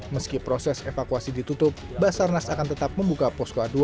meski proses evakuasi ditutup basarnas akan tetap membuka posko a dua